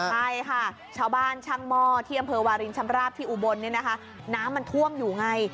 ใช่ค่ะชาวบ้านช่างหม้อที่อำเภอวารินชำราบที่อุบลเนี่ยนะคะน้ำมันท่วมอยู่ไง